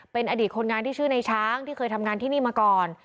เป็นอดีตคนงานที่ชื่อในช้างที่เคยทำงานที่นี่มาก่อน